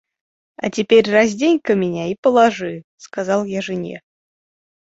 — А теперь раздень-ка меня и положи, — сказал я жене.